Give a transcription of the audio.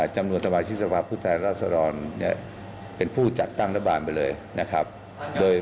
จำนวนธรรมชีวภาพพุทธรรษฎรเป็นผู้จัดตั้งรัฐบาลไปเลย